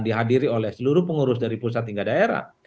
dihadiri oleh seluruh pengurus dari pusat hingga daerah